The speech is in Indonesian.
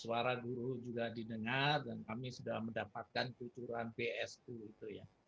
suara guru juga didengar dan kami sudah mendapatkan cucuran bsu itu ya